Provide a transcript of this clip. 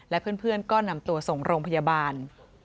และเพื่อนก็นำตัวส่งโรงพยาบาล